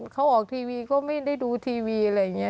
เขาออกทีวีก็ไม่ได้ดูทีวีอะไรอย่างนี้